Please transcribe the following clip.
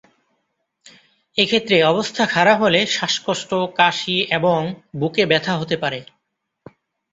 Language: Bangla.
এক্ষেত্রে অবস্থা খারাপ হলে শ্বাসকষ্ট, কাশি এবং বুকে ব্যথা হতে পারে।